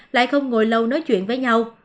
lại không ngồi lâu nói chuyện với nhau